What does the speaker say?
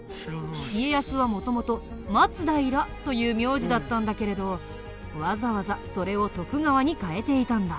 家康は元々「松平」という名字だったんだけれどわざわざそれを「徳川」に変えていたんだ。